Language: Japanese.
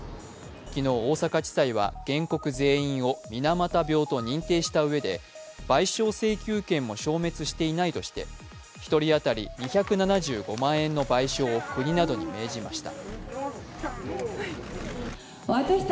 昨日、大阪地裁は原告全員を水俣病と認定したうえで賠償請求権も消滅していないとして１人当たり２７５万円の賠償を国などに命じました。